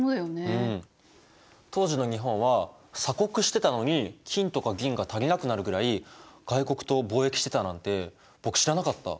うん当時の日本は鎖国してたのに金とか銀が足りなくなるぐらい外国と貿易してたなんて僕知らなかった。